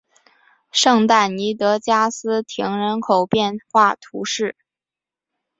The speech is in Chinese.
圣但尼德加斯廷人口变化图示